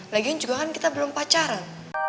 lagian juga kan kita belum pacaran